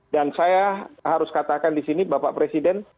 dan saya harus katakan di sini bapak presiden